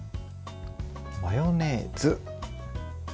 マヨネーズ。